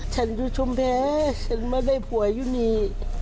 ฉันอยู่ชุมแพรฉันไม่ได้ผัวอยู่นี่